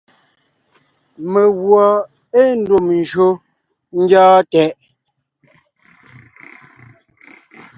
Meguɔ ée ndùm njÿó ńgyɔ́ɔn tɛʼ.